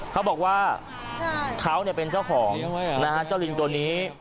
เขาบอกว่าเขาเป็นเจ้าของนะฮะเจ้าลิงตัวนี้